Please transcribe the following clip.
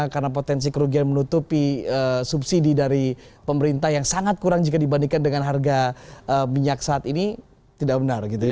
karena potensi kerugian menutupi subsidi dari pemerintah yang sangat kurang jika dibandingkan dengan harga minyak saat ini tidak benar gitu ya